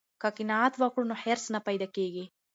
که قناعت وکړو نو حرص نه پیدا کیږي.